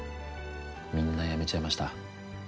みんなやめちゃいました